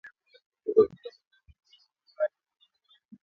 Kudhoofika na kunyong'onyea kwa mwili